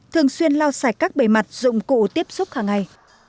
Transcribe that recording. thường xuyên lau sạch các bề mặt dụng cụ tiếp xúc hàng ngày